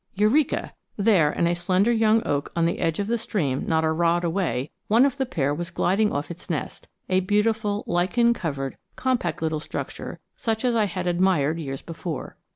Eureka! there, in a slender young oak on the edge of the stream not a rod away, one of the pair was gliding off its nest, a beautiful lichen covered, compact little structure such as I had admired years before.